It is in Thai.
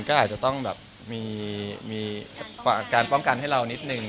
ก็อาจจะต้องแบบมีการป้องกันให้เรานิดนึง